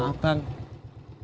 aku mau ke kantor